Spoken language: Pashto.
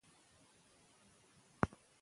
پښتو یوازې ژبه نه بلکې یو لوی کلتور دی.